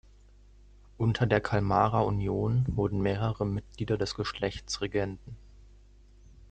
Unter der Kalmarer Union wurden mehrere Mitglieder des Geschlechts Regenten.